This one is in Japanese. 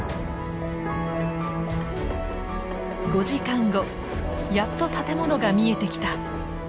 ５時間後やっと建物が見えてきた！